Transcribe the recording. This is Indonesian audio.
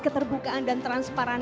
terbukaan dan transparan